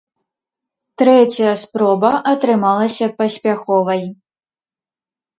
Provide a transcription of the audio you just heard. Трэцяя спроба атрымалася паспяховай.